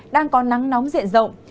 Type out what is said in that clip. đang có nắng nóng diện rộng